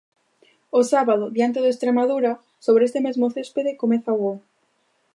O sábado, diante do Estremadura, sobre este mesmo céspede, comeza o bo.